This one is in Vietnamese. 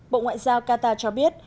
bộ ngoại giao qatar cho biết